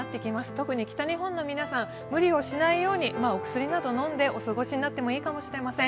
特に北日本の皆さん、無理をしないように、お薬など飲んでお過ごしになってもいいかもしれません。